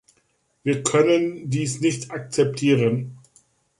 Wir können dies nicht akzeptieren.